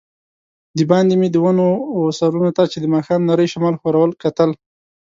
دباندې مې د ونو وه سرونو ته چي د ماښام نري شمال ښورول، کتل.